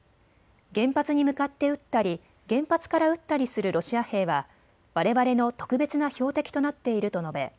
原発に向かって撃ったり原発から撃ったりするロシア兵はわれわれの特別な標的となっていると述べ